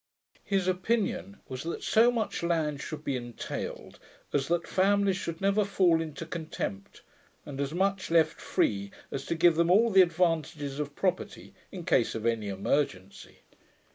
His opinion was that so much land should be entailed as that families should never fall into contempt, and as much left free as to give them all the advantages of property in case of any emergency.